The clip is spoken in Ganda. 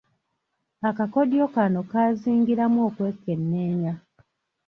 Akakodyo kano kaazingiramu okwekenneenya.